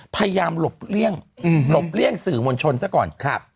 พยายามหลบเลี่ยงหลบเลี่ยงสื่อมวลชนซะก่อน